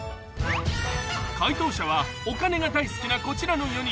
［解答者はお金が大好きなこちらの４人］